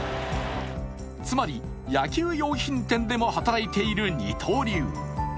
つまり野球用品店でも働いている二刀流。